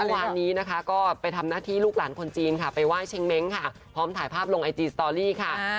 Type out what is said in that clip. งานนี้นะคะก็ไปทำหน้าที่ลูกหลานคนจีนค่ะไปไห้เชงเม้งค่ะพร้อมถ่ายภาพลงไอจีสตอรี่ค่ะ